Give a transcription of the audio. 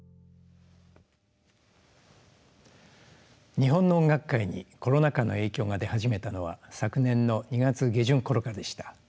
日本の音楽界にコロナ禍の影響が出始めたのは昨年の２月下旬ころからでした。